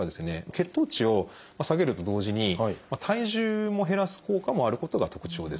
血糖値を下げると同時に体重も減らす効果もあることが特徴です。